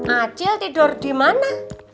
acil tidur di mana